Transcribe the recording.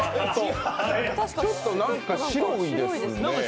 ちょっとなんか白いですね。